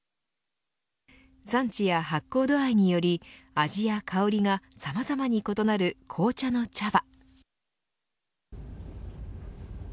産地や発酵度合いにより味や香りがさまざまに異なる紅茶の茶葉。